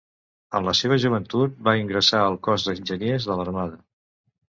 En la seva joventut va ingressar al Cos d'Enginyers de l'Armada.